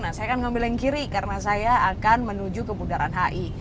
nah saya akan mengambil yang kiri karena saya akan menuju ke bundaran hi